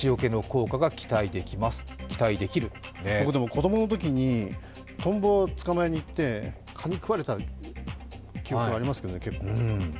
子供のときにとんぼを捕まえに行って蚊に食われた記憶はありますけどね結構。